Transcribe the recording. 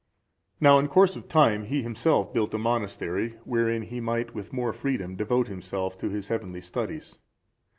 Now, in course of time he himself built a monastery,(383) wherein he might with more freedom devote himself to his heavenly studies.